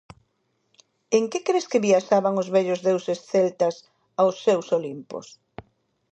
En que cres que viaxaban os vellos deuses celtas aos seus olimpos?